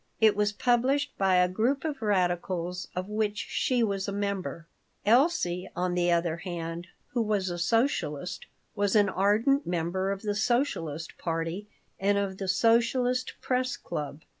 It was published by a group of radicals of which she was a member. Elsie, on the other hand, who was a socialist, was an ardent member of the Socialist party and of the Socialist Press Club.